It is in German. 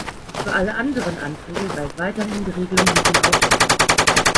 Für alle anderen Anträge galt weiterhin die Regelung mit den Ausschüssen.